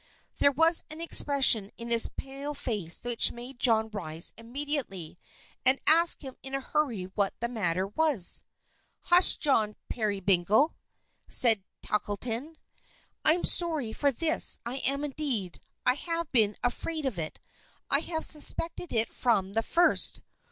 There was an expression in his pale face which made John rise immediately, and ask him in a hurry what the matter was. "Hush, John Peerybingle," said Tackleton. "I am sorry for this. I am indeed. I have been afraid of it. I have suspected it from the first."